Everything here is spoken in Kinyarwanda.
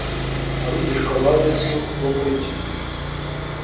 Abigishwa ba Yesu bo muri iki gihe,